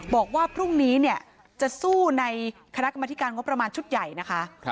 บอกว่าพรุ่งนี้เนี่ยจะสู้ในคณะกรรมธิการงบประมาณชุดใหญ่นะคะ